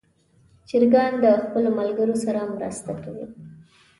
چرګان د خپلو ملګرو سره مرسته کوي.